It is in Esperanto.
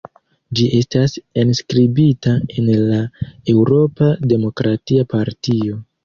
Ĝi estas enskribita en la Eŭropa Demokratia Partio.